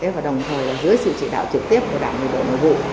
và đồng thời dưới sự chỉ đạo trực tiếp của đảng bộ nội vụ